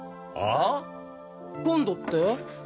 あ？今度って？